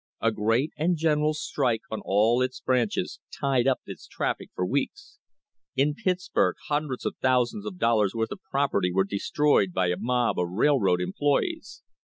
A great and general strike on all its branches tied up its traffic for weeks. In Pittsburg hundreds of thousands of dollars' worth of property were destroyed by a mob of railroad employees.